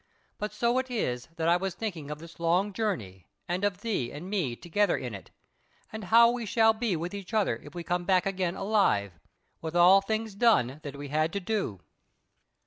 But so it is that I was thinking of this long journey, and of thee and me together in it, and how we shall be with each other if we come back again alive, with all things done that we had to do."